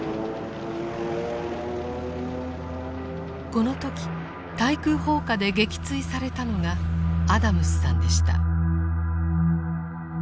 この時対空砲火で撃墜されたのがアダムスさんでした。